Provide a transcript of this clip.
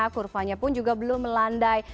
kurvanya pun juga belum melandai